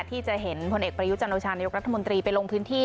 ที่จะเห็นพลเอกประยุจันโอชานายกรัฐมนตรีไปลงพื้นที่